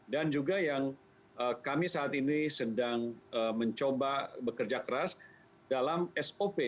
juga yang kami saat ini sedang mencoba bekerja keras dalam sop